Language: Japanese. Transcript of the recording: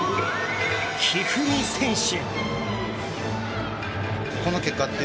一二三選手！